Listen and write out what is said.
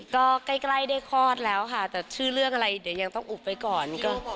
ก็ใกล้ได้คลอดแล้วค่ะแต่ชื่อเรื่องอะไรเดี๋ยวยังต้องอุบไว้ก่อน